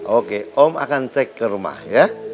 oke om akan cek ke rumah ya